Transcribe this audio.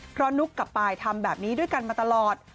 เพราะนุ๊กกับปายทำแบบนี้ด้วยกันมาตลอด